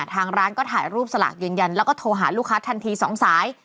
ทางร้านก็ถ่ายรูปสลากยืนยันแล้วก็โทรหาลูกค้าทันที๒สาย